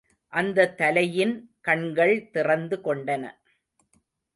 அந்தத் தலையின் கண்கள் திறந்து கொண்டன.